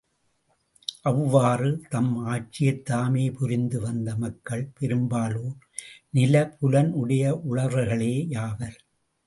அவ்வாறு தம் ஆட்சியைத்தாமே புரிந்து வந்த மக்கள் பெரும்பாலோர் நிலபுலனுடைய உழவர்களே யாவர்.